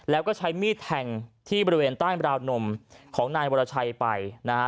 แล้วก็ใช้มีดแทงที่บริเวณใต้ราวนมของนายวรชัยไปนะฮะ